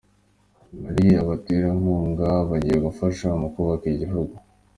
Mali Abaterankunga bagiye gufasha mu kubaka igihugu